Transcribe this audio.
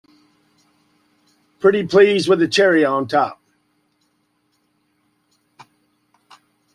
Pretty please with a cherry on top!